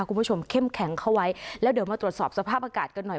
คุณผู้ชมเข้มแข็งเข้าไว้แล้วเดี๋ยวมาตรวจสอบสภาพอากาศกันหน่อย